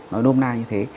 nói nôm na như thế